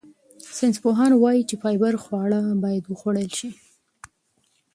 ساینسپوهان وايي چې فایبر خواړه باید وخوړل شي.